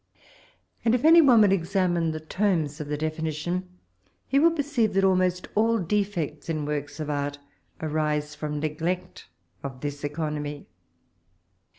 And if any one will examine the terms of the definition, he will perceive that almost all de fects in works of art arise from ne glect of this economy.